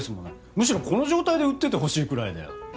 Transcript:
むしろこの状態で売っててほしいくらいだよ。